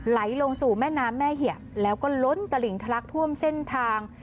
ไหลลงสู่แม่น้ำแม่เหียบแล้วก็ล้นตลิ่งทะลักท่วมเส้นทาง